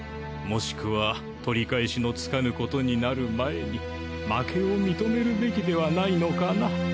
もしくは取り返しのつかぬことになる前に負けを認めるべきではないのかな